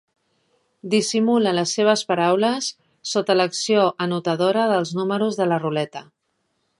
Dissimula les seves paraules sota l'acció anotadora dels números de la ruleta.